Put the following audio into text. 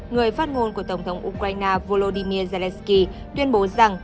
người phát ngôn của tổng thống ukraine volodymyr zelensky tuyên bố rằng